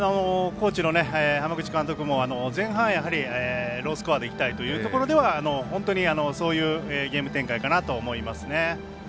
高知の浜口監督も前半やはりロースコアでいきたいというところでそういうゲーム展開かなと思いますね。